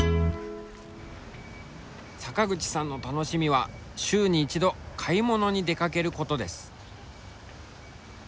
坂口さんの楽しみは週に１度買い物に出かけることです。